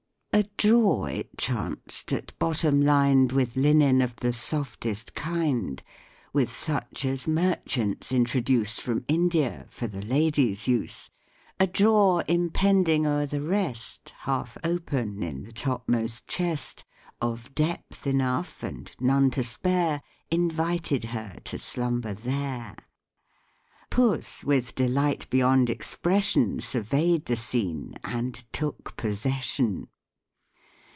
A drawer, it chanced, at bottom lined With linen of the softest kind, With such as merchants introduce From India, for the ladies' use, A drawer impending o'er the rest, Half open in the topmost chest, Of depth enough, and none to spare, Invited her to slumber there; Puss with delight beyond expression, Survey'd the scene, and took possession.